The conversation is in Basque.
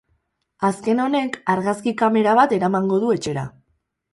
Azken honek, argazki kamera bat eramango du etxera.